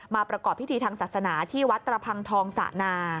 ประกอบพิธีทางศาสนาที่วัดตระพังทองสะนา